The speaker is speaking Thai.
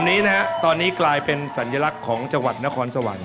วันนี้นะฮะตอนนี้กลายเป็นสัญลักษณ์ของจังหวัดนครสวรรค์